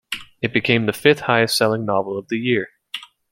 It became the fifth-highest selling novel of the year.